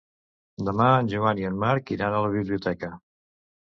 Demà en Joan i en Marc iran a la biblioteca.